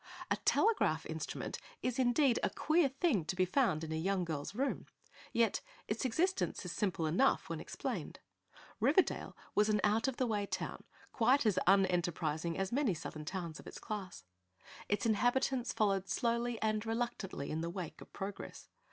A telegraph instrument is indeed a queer thing to be found in a young girl's room, yet its existence is simple enough when explained. Riverdale was an out of the way town, quite as unenterprising as many Southern towns of its class. Its inhabitants followed slowly and reluctantly in the wake of progress.